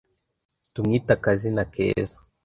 Tumwite akazina keza